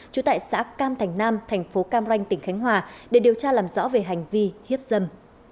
trụ tại xã cam thành nam tp cam ranh tỉnh khánh hòa để điều tra làm rõ về hành vi hiếp dâm